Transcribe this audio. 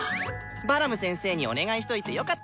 バラム先生にお願いしといてよかったね。